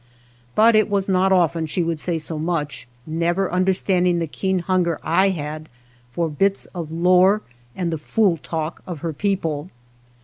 But it was not often she would say so much, never understanding the keen hunger I had for bits of lore and the " fool talk " of her peo ple.